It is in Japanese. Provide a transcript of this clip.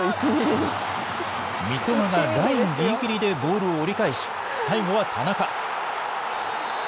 三笘がラインぎりぎりでボールを折り返し、最後は田中。